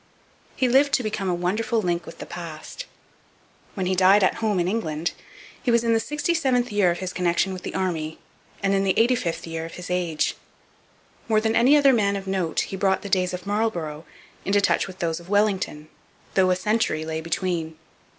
He lived to become a wonderful link with the past. When he died at home in England he was in the sixty seventh year of his connection with the Army and in the eighty fifth of his age. More than any other man of note he brought the days of Marlborough into touch with those of Wellington, though a century lay between.